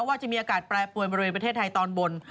ว่าจะมีอากาศแปรปวนบริเวณประเทศไทยตอนบน